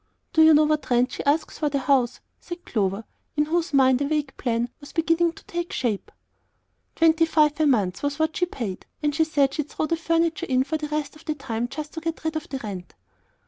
"Do you know what rent she asks for the house?" said Clover, in whose mind a vague plan was beginning to take shape. "Twenty five a month was what she paid; and she said she'd throw the furniture in for the rest of the time, just to get rid of the rent."